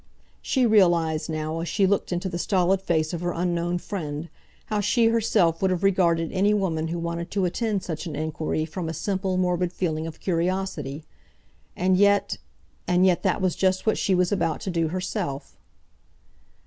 She realised now, as she looked into the stolid face of her unknown friend, how she herself would have regarded any woman who wanted to attend such an inquiry from a simple, morbid feeling of curiosity. And yet—and yet that was just what she was about to do herself.